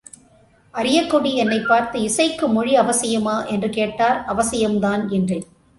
அரியக்குடி என்னைப் பார்த்து, இசைக்கு மொழி அவசியமா? என்று கேட்டார் அவசியம்தான், என்றேன்.